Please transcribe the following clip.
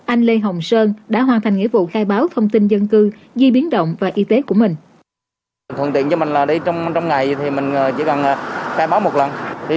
anh lê hồng sơn đã hoàn thành nghĩa vụ khai báo thông tin dân